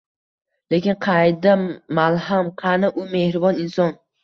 Lekin qayda malham?! Qani, u mehribon inson?!